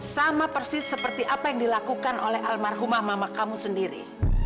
sama persis seperti apa yang dilakukan oleh almarhumah mama kamu sendiri